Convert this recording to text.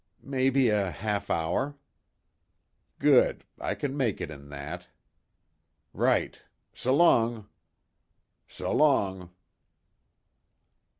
"Maybe a half hour." "Good. I can make it in that." "Right. S'long." "S'long."